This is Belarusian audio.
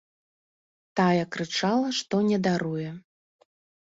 Тая крычала, што не даруе.